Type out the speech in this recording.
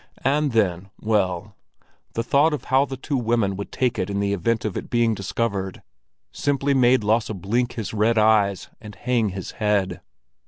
And then—well, the thought of how the two women would take it in the event of its being discovered, simply made Lasse blink his red eyes and hang his head.